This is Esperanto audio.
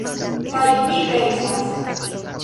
Kaj vi pensas